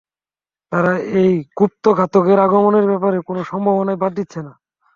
তারা এই গুপ্তঘাতকের আগমনের ব্যাপারে কোনো সম্ভাবনাই বাদ দিচ্ছে না।